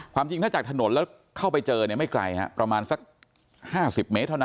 จริงถ้าจากถนนแล้วเข้าไปเจอเนี่ยไม่ไกลประมาณสัก๕๐เมตรเท่านั้น